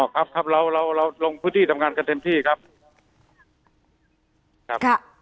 ครับครับเราเราลงพื้นที่ทำงานกันเต็มที่ครับครับ